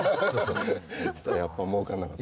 そしたらやっぱりもうかんなかった。